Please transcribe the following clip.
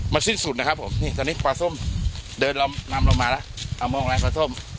มันสิ้นสุดนะครับผมนี่ตอนนี้ปลาส้มเดินลำลงมานะเรามองร้านปลาส้ม